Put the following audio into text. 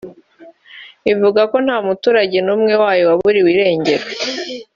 ivuga ko nta muturage n’umwe wayo waburiwe irengero